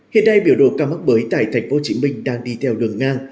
hiện nay biểu đồ ca mắc mới tại tp hcm đang đi theo đường ngang